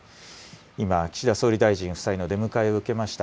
今、岸田総理大臣夫妻の出迎えを受けました。